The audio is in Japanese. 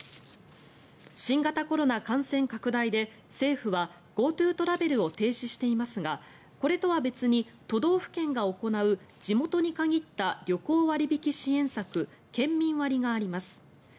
新型コロナ感染拡大で政府はＧｏＴｏトラベルを停止していますがこれとは別に都道府県が行う地元に限った旅行割引支援策県民割があります。